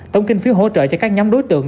tổng kinh phí hỗ trợ cho các nhóm đối tượng